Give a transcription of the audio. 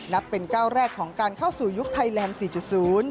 นับเป็นก้าวแรกของการเข้าสู่ยุคไทยแลนด์๔๐